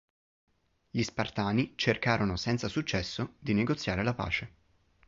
Gli Spartani cercarono senza successo di negoziare la pace.